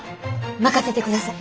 任せてください！